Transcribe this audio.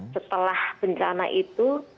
setelah bencana itu